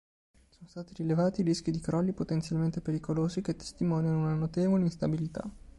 Sono stati rilevati rischi di "crolli potenzialmente pericolosi" che testimoniano una notevole instabilità.